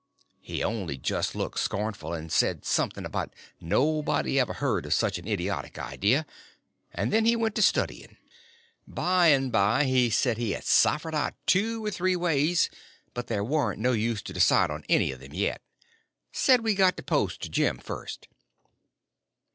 He only just looked scornful, and said something about nobody ever heard of such an idiotic idea, and then he went to studying. By and by he said he had ciphered out two or three ways, but there warn't no need to decide on any of them yet. Said we'd got to post Jim first.